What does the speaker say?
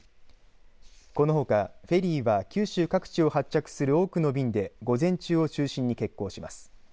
このほか、フェリーは九州各地を発着する多くの便で午前中を中心に欠航します。